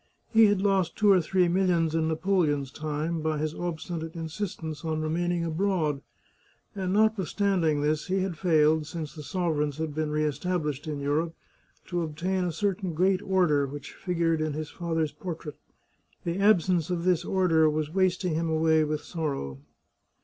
He had lost two or three millions in Napoleon's time, by his obstinate insistence on remaining abroad, and notwithstand ing this he had failed, since the sovereigns had been re established in Europe, to obtain a certain great order which figured in his father's portrait. The absence of this order was wasting him away with sorrow.